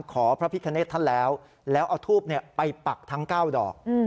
พระพิคเนธท่านแล้วแล้วเอาทูบไปปักทั้ง๙ดอก